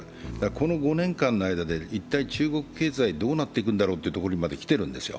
この５年間ぐらいで一体、中国経済どうなっていくんだろうというところまで来ているんですよ。